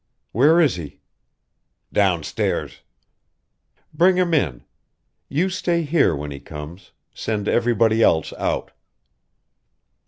"Where is he?" "Downstairs." "Bring him in. You stay here when he comes send everybody else out."